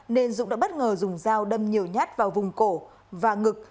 nên dũng đã bất ngờ dùng dao đâm nhiều nhát vào vùng cổ và ngực